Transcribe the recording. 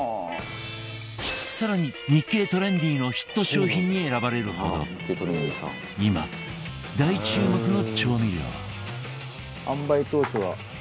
更に『日経トレンディ』のヒット商品に選ばれるほど今大注目の調味料